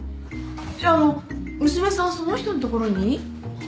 じゃあ娘さんその人の所に？